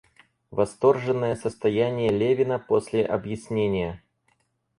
Восторженное состояние Левина после объяснения.